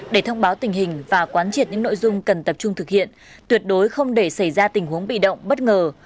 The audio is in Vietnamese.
để thông báo tình hình và quán triệt những nội dung cần tập trung thực hiện tuyệt đối không để xảy ra tình huống bị động bất ngờ